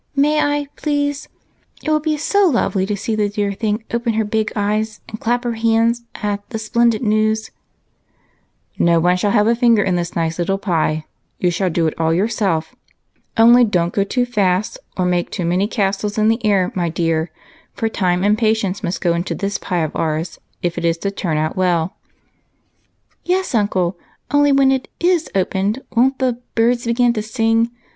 May I, please ?— it will be so lovely to see the dear thing open her big eyes and clap her hands at the splendid news." SOMETHING TO DO. 263 " No one shall have a finger in this nice little pie ; you shall do it all yourself, only don't go too fast, or make too many castles in the air, my dear ; for time and patience must go into this pie of ours if it is to turn out well." " Yes, uncle, only when it is opened won't ' the birds begin to sing